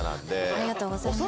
ありがとうございます。